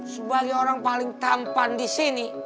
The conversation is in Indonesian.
sebagai orang paling tampan di sini